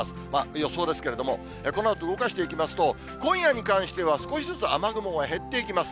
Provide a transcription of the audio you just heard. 予想ですけれども、このあと動かしていきますと、今夜に関しては、少しずつ雨雲が減っていきます。